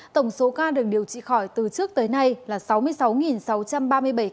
tổng số ca được điều trị khỏi từ trước tới nay là sáu mươi sáu sáu trăm ba mươi bảy ca